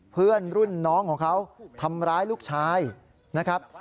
เพื่อนรุ่นน้องของเขาทำร้ายลูกชายนะครับ